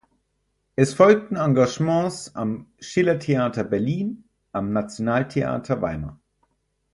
Es folgten Engagements am Schillertheater Berlin, am Nationaltheater Weimar.